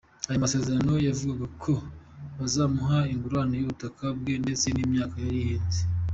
Aya mazezerano yavugaga ko bazamuha ingurane y’ubutaka bwe ndetse n’imyaka yari ihinzemo.